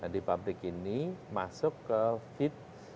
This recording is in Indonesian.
di pabrik ini masuk ke feed